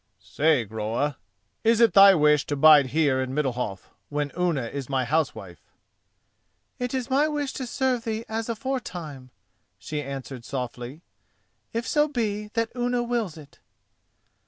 "Say, Groa, is it thy wish to bide here in Middalhof when Unna is my housewife?" "It is my wish to serve thee as aforetime," she answered softly, "if so be that Unna wills it."